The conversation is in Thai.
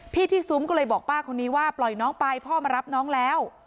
ที่ซุ้มก็เลยบอกป้าคนนี้ว่าปล่อยน้องไปพ่อมารับน้องแล้ว